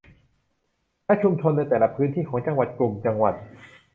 และชุมชนในแต่ละพื้นที่ของจังหวัดกลุ่มจังหวัด